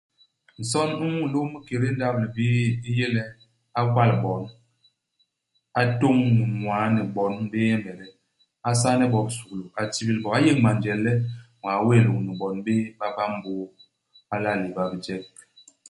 Nson u mulôm i kédé ndap-libii u yé le, a gwal bon, a tôñ ni ñwaa ni bon béé nyemede. A saane bo bisuglu a tibil bo. A yéñ manjel le ñwaa wéé lôñni bon béé ba ba mbôô. A la'a léba bijek.